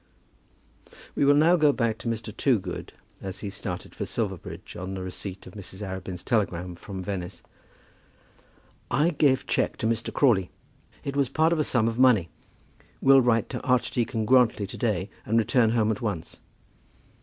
We will now go back to Mr. Toogood as he started for Silverbridge, on the receipt of Mrs. Arabin's telegram from Venice. "I gave cheque to Mr. Crawley. It was part of a sum of money. Will write to Archdeacon Grantly to day, and return home at once."